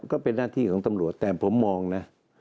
ก็เป็นหน้าที่ของตำรวจแต่ผมมองนะ